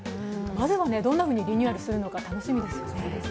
まずはどんなふうにリニューアルするか楽しみですね。